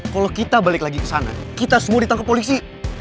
kalo kita balik lagi kesana kita semua ditangkap polisi